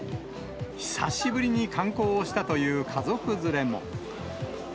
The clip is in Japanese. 久しぶりに観光をしたという家族連れも。